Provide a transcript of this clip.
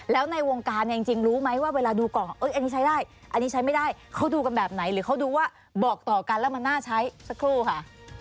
แล้วในวงการเนี่ยจริงรู้ไหมว่าเวลาดูกล่องอันนี้ใช้ได้อันนี้ใช้ไม่ได้เขาดูกันแบบไหนหรือเขาดูว่าบอกต่อกันแล้วมันน่าใช้สักครู่ค่ะ